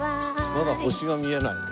まだ星が見えないね。